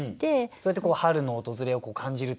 そうやって春の訪れを感じるというか。